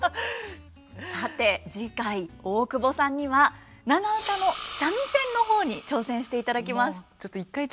さて次回大久保さんには長唄の三味線の方に挑戦していただきます。